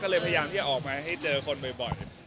ก็เลยพยายามที่จะออกมาให้เจอคนบ่อย